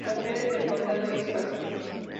La sede del condado es Aspen.